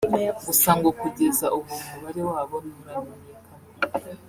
gusa ngo kugeza ubu umubare wabo nturamenyekana